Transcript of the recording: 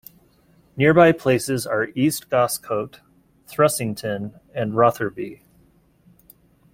Nearby places are East Goscote, Thrussington and Rotherby.